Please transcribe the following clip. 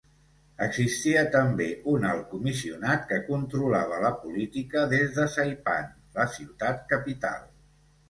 Existia també un Alt Comissionat que controlava la política des de Saipan, la ciutat capital.